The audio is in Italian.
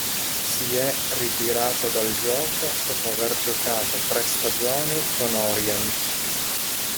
Si è ritirato dal gioco dopo aver giocato tre stagioni con Orient.